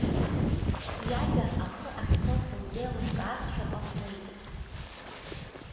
Иажәа ахы ахьцоз лзеилымкаазшәа ҟалҵеит.